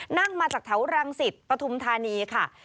นั่งมาจากแถวรังสิตปฐุมธานีค่ะ